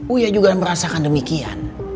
uya juga merasakan demikian